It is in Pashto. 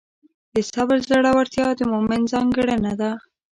د صبر زړورتیا د مؤمن ځانګړنه ده.